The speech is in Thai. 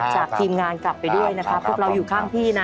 จากทีมงานกลับไปด้วยนะคะ